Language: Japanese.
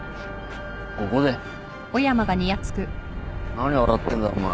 何笑ってんだお前。